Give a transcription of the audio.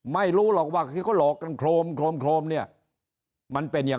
ไม่รู้หรอกว่าที่เขาหลอกกันโครมโครมโครมเนี่ยมันเป็นอย่าง